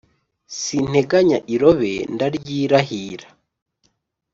sinteganya irobe ; ndaryirahira,